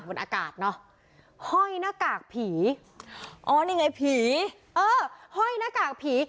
บนอากาศเนอะห้อยหน้ากากผีอ๋อนี่ไงผีเออห้อยหน้ากากผี